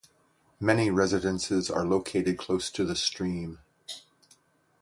Many residences are located close to the stream.